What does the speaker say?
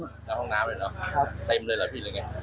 หน้าห้องน้ำเลยเหรอครับเต็มเลยแล้วผิดอะไรไง